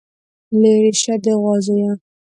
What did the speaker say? ليرې شه د غوا زويه.